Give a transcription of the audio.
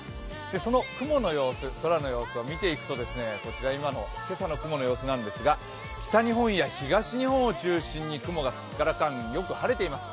その雲の様子、空の様子を見ていくとですねこちら、今の今朝の雲の様子なんですが、北日本や東日本を中心に雲がすっからかんで、よく晴れています。